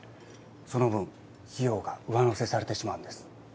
その分費用が上乗せされてしまうんです。